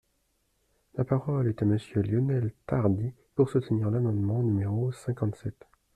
La parole est à Monsieur Lionel Tardy, pour soutenir l’amendement numéro cinquante-sept.